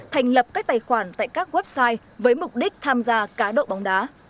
thành lập các tài khoản tại các website với mục đích tham gia cá độ bóng đá